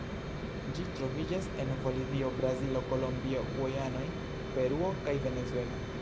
Ĝi troviĝas en Bolivio, Brazilo, Kolombio, Gujanoj, Peruo kaj Venezuelo.